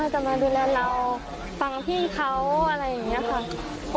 จะมาดูแลเราฟังพี่เขาอะไรอย่างนี้ค่ะ